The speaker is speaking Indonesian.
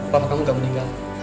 papa kamu gak meninggal